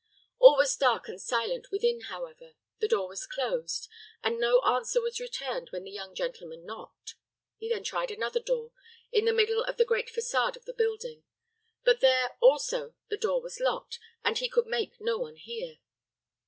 All was dark and silent within, however: the door closed; and no answer was returned when the young gentleman knocked. He then tried another door, in the middle of the great façade of the building; but there, also, the door was locked, and he could make no one hear.